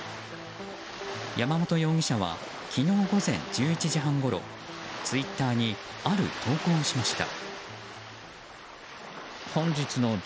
山本容疑者は昨日午前１１時半ごろツイッターにある投稿をしました。